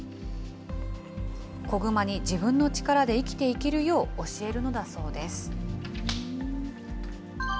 子グマに自分の力で生きていけるように教えるのだそうです。